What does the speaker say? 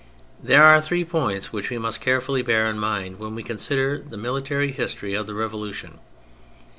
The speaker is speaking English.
There are three points which we must carefully bear in mind when we consider the military history of the Revolution.